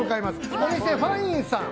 お店ファインさん。